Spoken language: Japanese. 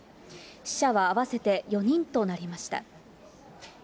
死者は合わせて４人となりました。